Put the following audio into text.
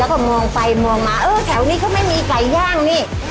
แล้วก็มองไปมองมาเออแถวนี้เขาไม่มีไก่ย่างนี่